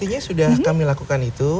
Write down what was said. jadi sudah kami lakukan itu